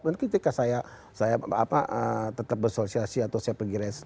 mungkin ketika saya tetap bersosiasi atau saya pergi res